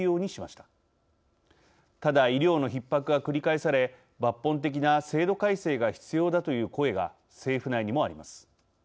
ただ、医療のひっ迫が繰り返され抜本的な制度改正が必要だという声が政府内にもあります。